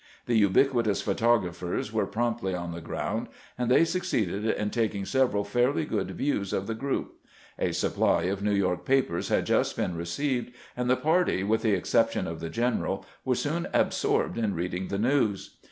The ubiquitous photographers were promptly on the ground, and they succeeded in taking several fairly good views of the group. A sup ply of New York papers had just been received, and the party, with the exception of the general, were soon absorbed in reading the news.